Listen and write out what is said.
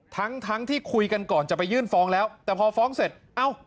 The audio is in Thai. ทั้งทั้งที่คุยกันก่อนจะไปยื่นฟ้องแล้วแต่พอฟ้องเสร็จเอ้า